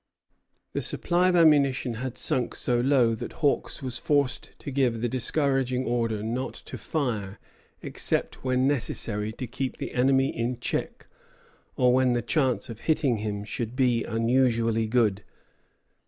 The supply of ammunition had sunk so low that Hawks was forced to give the discouraging order not to fire except when necessary to keep the enemy in check, or when the chance of hitting him should be unusually good.